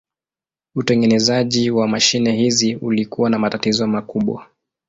Utengenezaji wa mashine hizi ulikuwa na matatizo makubwa.